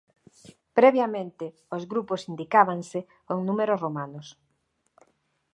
Previamente os grupos indicábanse con números romanos.